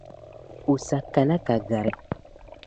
O sa kana ka gari.